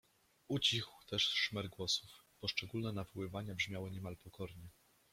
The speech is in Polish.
Ucichł też szmer głosów, poszczególne nawoływania brzmiały niemal pokornie.